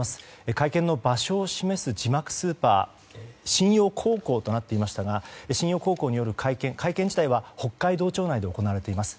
会見の場所を示す字幕スーパーが新陽高校となっていましたが会見自体は北海道庁内で行われています。